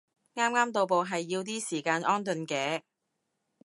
啱啱到埗係要啲時間安頓嘅